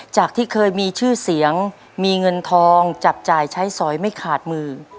จากที่เคยมีชื่อเสียงมีเงินทองจับจ่ายใช้สอยไม่ขาดมือ